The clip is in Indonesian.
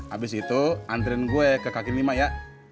abis itu antriin gue ke kaki lima ya